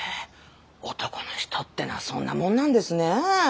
男の人ってのはそんなもんなんですねえ。